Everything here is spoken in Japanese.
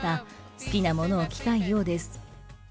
好きなものを着たいようです。